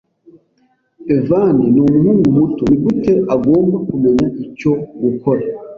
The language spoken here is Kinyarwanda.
Evan numuhungu muto. Nigute agomba kumenya icyo gukora?